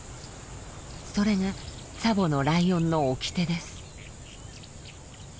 それがツァボのライオンの掟です。